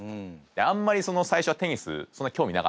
あんまり最初はテニスそんな興味なかったんでね